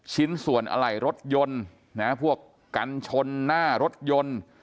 ชิ้นส่วนอะไหล่รถยนต์นะพวกกันชนหน้ารถยนต์